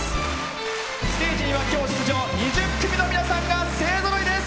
ステージには今日、出場２０組の皆さんが勢ぞろいです。